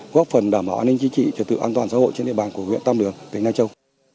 góp phần đảm bảo an ninh chính trị trật tự an toàn xã hội trên địa bàn của huyện tam đường tỉnh na châu